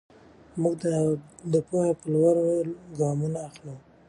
موږ د پوهې په لور ګامونه اخلو.